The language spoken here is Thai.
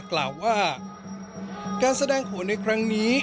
กล่าวว่าการแสดงหัวในครั้งนี้